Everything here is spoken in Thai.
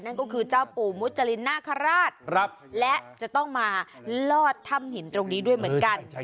นั่นก็คือเจ้าปู่มุจรินนาคาราชและจะต้องมาลอดถ้ำหินตรงนี้ด้วยเหมือนกัน